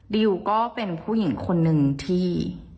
ดิวก็เป็นผู้หญิงคนหนึ่งที่